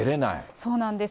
そうなんです。